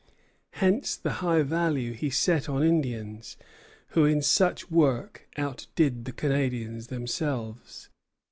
Hence the high value he set on Indians, who in such work outdid the Canadians themselves.